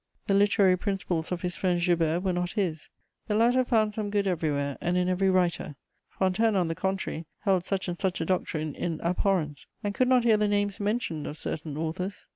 The literary principles of his friend Joubert were not his: the latter found some good everywhere and in every writer; Fontanes, on the contrary, held such and such a doctrine in abhorrence, and could not hear the names mentioned of certain authors.